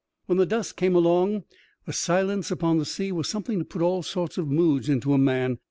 When the dusk came along, the silence upon the sea was something to put all sorts of moods into a man.